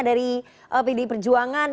dari pd perjuangan